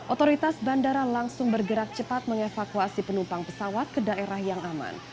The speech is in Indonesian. otoritas bandara langsung bergerak cepat mengevakuasi penumpang pesawat ke daerah yang aman